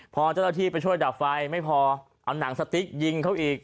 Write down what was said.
พอเจ้าหน้าที่ไปช่วยดับไฟไม่พอเอาหนังสติ๊กยิงเขาอีก